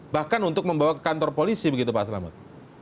bahkan untuk membawa ke kantor polisi begitu pak selamat